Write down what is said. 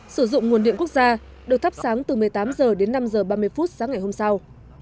sử dụng nguồn điện quốc gia được thắp sáng từ một mươi tám h đến năm h ba mươi phút sáng ngày hôm sau